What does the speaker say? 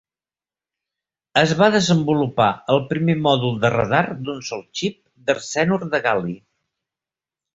Es va desenvolupar el primer mòdul de radar d'un sol xip d'arsenur de gal·li.